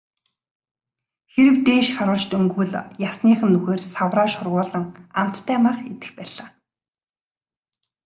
Хэрэв дээш харуулж дөнгөвөл ясных нь нүхээр савраа шургуулан амттай мах идэх байлаа.